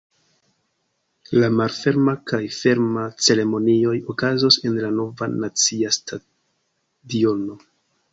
La malferma kaj ferma ceremonioj okazos en la Nova nacia stadiono.